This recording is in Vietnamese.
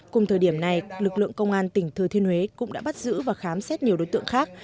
cùng thời điểm này lực lượng công an tỉnh thừa thiên huế cũng đã bắt giữ và khám xét nhiều đối tượng khác